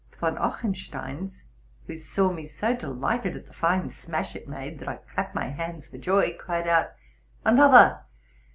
The Von Ochsensteins, who saw me so delighted at the fine smash it made, that I clapped my hands for joy, cried out, '' Another.